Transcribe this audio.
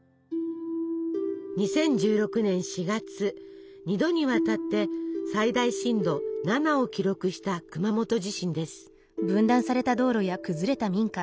２０１６年４月２度にわたって最大震度７を記録した熊本地震です。